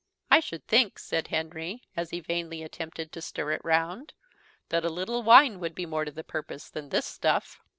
"I should think," said Henry, as he vainly attempted to stir it round, "that a little wine would be more to the purpose than this stuff."